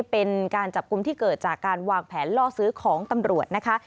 เป็นการจับกลุ่มที่เกิดจากการวางแผนล่อซื้อของตำรวจนะคะ